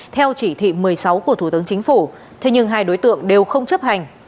theo chỉ thị một mươi sáu của thủ tướng chính phủ thế nhưng hai đối tượng đều không chấp hành